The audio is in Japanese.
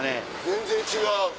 全然違う。